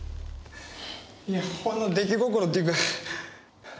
いやほんの出来心っていうか。